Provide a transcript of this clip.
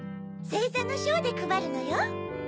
せいざのショーでくばるのよ。